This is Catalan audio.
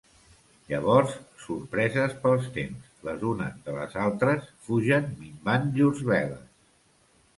Llavors, sorpreses pels temps, les unes de les altres, fugen minvant llurs veles.